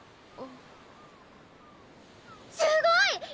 すごい！